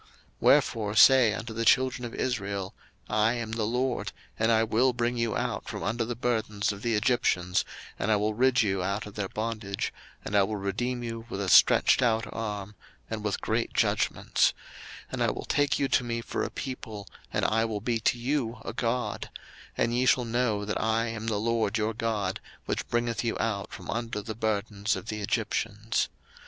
02:006:006 Wherefore say unto the children of Israel, I am the LORD, and I will bring you out from under the burdens of the Egyptians, and I will rid you out of their bondage, and I will redeem you with a stretched out arm, and with great judgments: 02:006:007 And I will take you to me for a people, and I will be to you a God: and ye shall know that I am the LORD your God, which bringeth you out from under the burdens of the Egyptians.